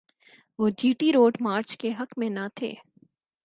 وہ G T road march کے حق میں نہ تھے۔